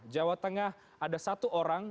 jawa tengah ada satu orang